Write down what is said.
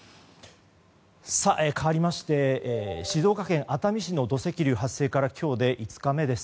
かわりまして静岡県熱海市の土石流発生から今日で５日目です。